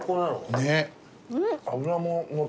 ねっ。